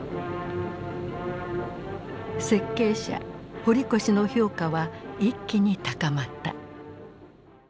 設計者堀越の評価は一気に高まった。